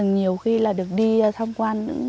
nhiều khi là được đi tham quan